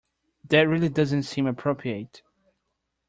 That really doesn't seem appropriate.